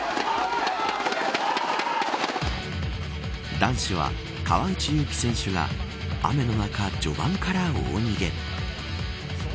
男子は川内優輝選手が雨の中、序盤から大逃げ。